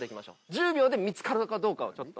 １０秒で見つかるのかどうかをちょっと。